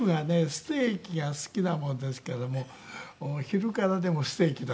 ステーキが好きなもんですからお昼からでもステーキ食べて。